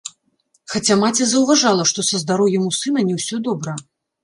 Хаця маці заўважала, што са здароўем у сына не ўсё добра.